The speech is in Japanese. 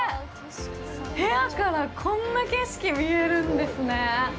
部屋からこんな景色が見えるんですね！